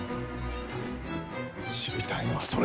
知りたいのはそれだッ！